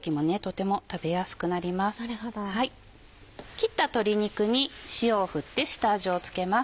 切った鶏肉に塩を振って下味を付けます。